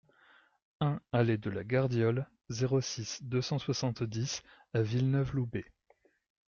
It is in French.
un allée de la Gardiole, zéro six, deux cent soixante-dix à Villeneuve-Loubet